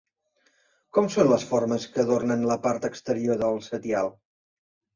Com són les formes que adornen la part exterior del setial?